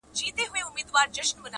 په غوټه سوه ور نیژدي د طوطي لورته-